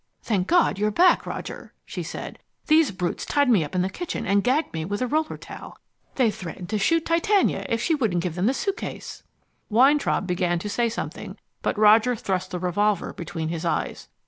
"Thank God you're back, Roger," she said. "These brutes tied me up in the kitchen and gagged me with a roller towel. They threatened to shoot Titania if she wouldn't give them the suitcase." Weintraub began to say something, but Roger thrust the revolver between his eyes.